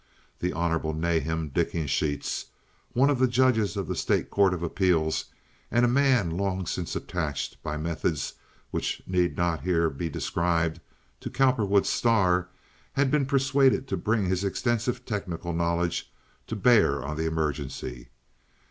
The Hon. Nahum Dickensheets, one of the judges of the State Court of Appeals, and a man long since attached, by methods which need not here be described, to Cowperwood's star, had been persuaded to bring his extensive technical knowledge to bear on the emergency.